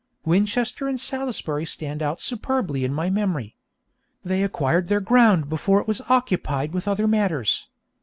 Winchester and Salisbury stand out superbly in my memory. They acquired their ground before it was occupied with other matters.